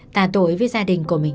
tà tội với gia đình của mình